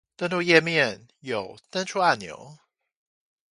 登入頁面有登出按鈕？！